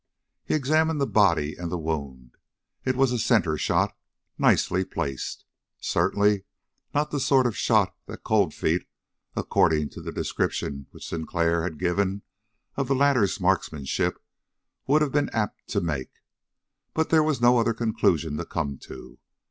He examined the body and the wound. It was a center shot, nicely placed. Certainly not the sort of shot that Cold Feet, according to the description which Sinclair had given of the latter's marksmanship, would be apt to make. But there was no other conclusion to come to.